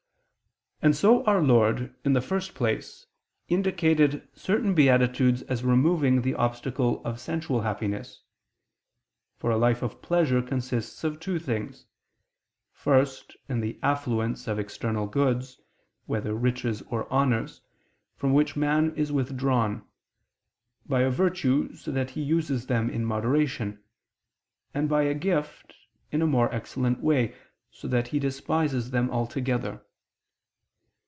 And so Our Lord, in the first place, indicated certain beatitudes as removing the obstacle of sensual happiness. For a life of pleasure consists of two things. First, in the affluence of external goods, whether riches or honors; from which man is withdrawn by a virtue so that he uses them in moderation and by a gift, in a more excellent way, so that he despises them altogether.